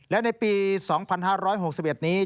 และในปี๒๕๖๑นี้